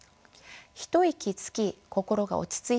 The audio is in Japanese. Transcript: ひと息つき心が落ちついた